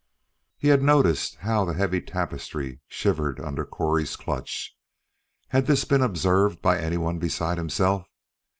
He had noticed how the heavy tapestry shivered under Correy's clutch. Had this been observed by anyone besides himself?